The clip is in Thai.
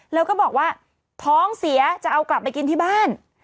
แล้วก็บอกว่าท้องเสียจะเอากลับไปกินที่บ้าน